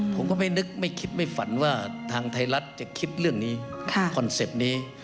ผมก็ไม่นึกไม่คิดไม่ฝันว่าทางไทยรัฐจะคิดเรื่องนี้คอนเซ็ปต์นี้